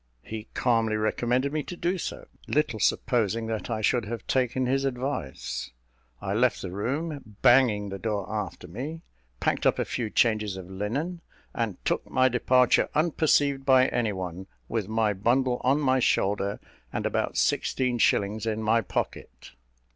He calmly recommended me to do so, little supposing that I should have taken his advice. I left the room, banging the door after me, packed up a few changes of linen, and took my departure, unperceived by any one, with my bundle on my shoulder, and about sixteen shillings in my pocket.